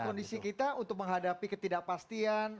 dan kondisi kita untuk menghadapi ketidakpastian